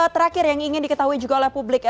terakhir yang ingin diketahui juga oleh publik